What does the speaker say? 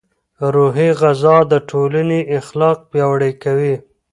روحي غذا د ټولنې اخلاق پیاوړي کوي.